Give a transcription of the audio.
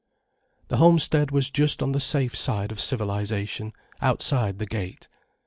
The homestead was just on the safe side of civilization, outside the gate.